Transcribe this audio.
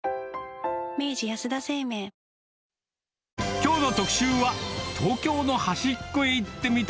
きょうの特集は、東京の端っこへ行ってみた！